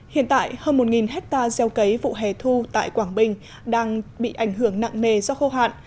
hiện tại hơn một hectare gieo cấy vụ hẻ thu tại quảng bình đang bị ảnh hưởng nặng nề do khô hạn